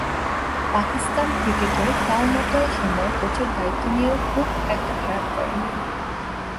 পাকিস্তান ক্রিকেটের টালমাটাল সময়ে কোচের দায়িত্ব নিয়েও খুব একটা খারাপ করেননি।